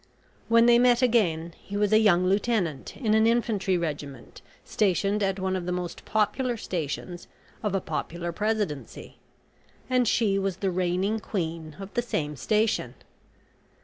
When they met again he was a young lieutenant in an infantry regiment stationed at one of the most popular stations of a popular Presidency, and she was the reigning queen of the same station.